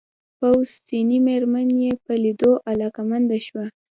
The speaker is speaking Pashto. پوخ سنې مېرمن يې په ليدو علاقه منده شوه.